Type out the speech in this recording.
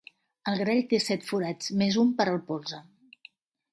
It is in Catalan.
El grall té set forats més un per al polze.